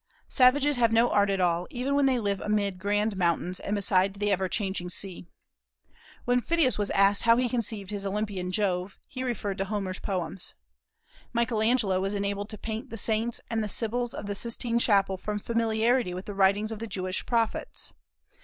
Savages have no art at all, even when they live amid grand mountains and beside the ever changing sea. When Phidias was asked how he conceived his Olympian Jove, he referred to Homer's poems. Michael Angelo was enabled to paint the saints and sibyls of the Sistine Chapel from familiarity with the writings of the Jewish prophets.